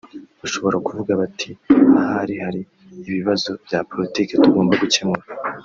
bashobora kuvuga bati ahari hari ibibazo bya politiki tugomba gukemura